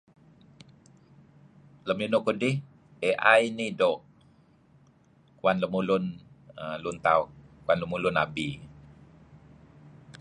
Lem linuh kudih AI inih doo' uan lemulun lun tauh lemulun abi.